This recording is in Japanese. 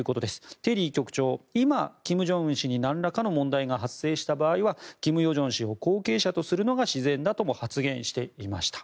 テリー局長は今、金正恩氏になんらかの問題が発生した場合は金与正氏を後継者とするのが自然とも発言していました。